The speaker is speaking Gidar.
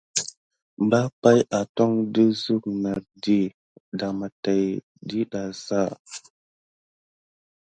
Mbar pay atondi de suk nà ka dema tät didaza.